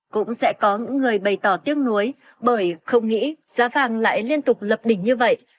cũng sẽ có những người bày tỏ tiếc nuối bởi không nghĩ giá vàng lại liên tục lập đỉnh như vậy